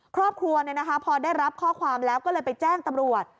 ครอบครัวพอได้รับข้อความแล้วก็เลยไปแจ้งตำรวจ